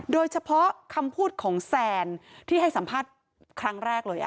เฉพาะคำพูดของแซนที่ให้สัมภาษณ์ครั้งแรกเลย